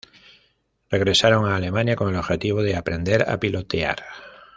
Regresaron a Alemania con el objetivo de aprender a pilotear.